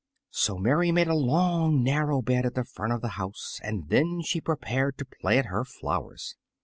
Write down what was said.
So Mary made a long, narrow bed at the front of the house, and then she prepared to plant her flowers.